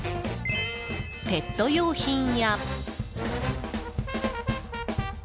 ペット用品や。